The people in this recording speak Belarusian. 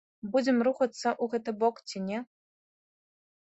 Будзем рухацца ў гэты бок ці не?